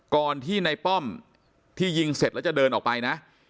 ก่อนที่ในป้อมที่ยิงเสร็จแล้วจะเดินออกไปนะ